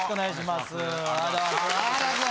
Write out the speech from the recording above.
ありがとうございます。